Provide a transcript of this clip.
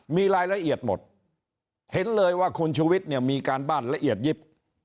มีรายละเอียดหมดเห็นเลยว่าคุณชุวิตเนี่ยมีการบ้านละเอียดยิบ